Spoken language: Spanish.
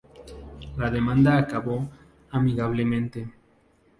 La demanda acabó amigablemente.